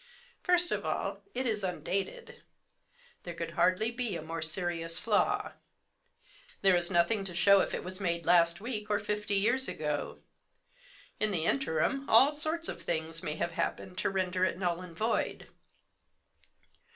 First of all, it is undated. There could hardly be a more serious flaw. There is nothing to show if it was made last week or fifty years ago. In the interim all sorts of things may have happened to render it null and void.